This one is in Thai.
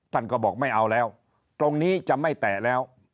ท่านก็บอกไม่เอาแล้วตรงนี้จะไม่แตะแล้ว